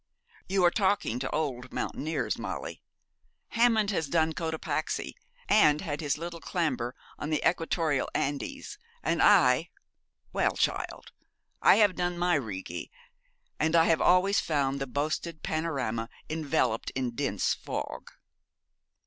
'You are talking to old mountaineers, Molly. Hammond has done Cotapaxi and had his little clamber on the equatorial Andes, and I well, child, I have done my Righi, and I have always found the boasted panorama enveloped in dense fog.'